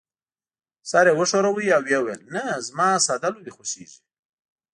سر يې وښوراوه او وې ویل: نه، زما ساده لوبې خوښېږي.